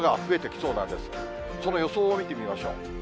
その予想を見てみましょう。